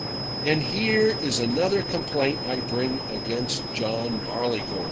And here is another complaint I bring against John Barleycorn.